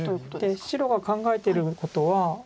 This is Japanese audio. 白が考えてることは。